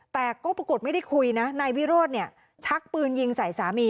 แต่ก็ปรากฏไม่ได้คุยนะนายวิโรธเนี่ยชักปืนยิงใส่สามี